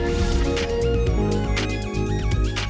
pertama kegigihan dan semangat pantang menyerah